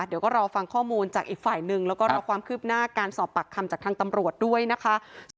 เดี๋ยวก็รอฟังข้อมูลจากอีกฝ่ายหนึ่งแล้วก็รอความคืบหน้าการสอบปากคำจากทางตำรวจด้วยนะคะ